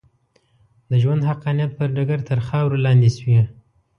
د ژوند حقانیت پر ډګر تر خاورو لاندې شوې.